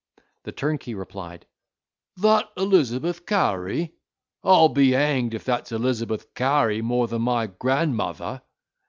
The turnkey replied, "That Elizabeth Cary! I'll be hanged if that's Elizabeth Cary more than my grandmother."